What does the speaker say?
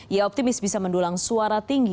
ia optimis bisa mendulang suara tinggi